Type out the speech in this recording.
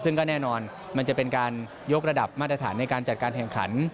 ซึ่งก็แน่นอนมันจะเป็นการยกระดับมาตรฐานในการจัดการแข่งขัน